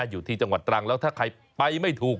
อยู่ที่จังหวัดตรังแล้วถ้าใครไปไม่ถูก